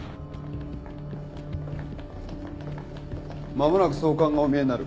間もなく総監がおみえになる。